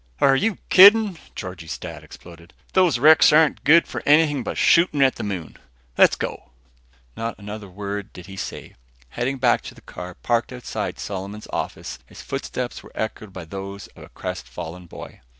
"Are you kidding?" Georgie's Dad exploded, "Those wrecks aren't good for anything but shooting at the moon. Let's go." Not another word did he say. Heading back to the car parked outside Solomon's office, his footsteps were echoed by those of a crestfallen boy.